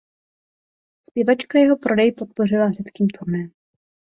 Zpěvačka jeho prodej podpořila řeckým turné.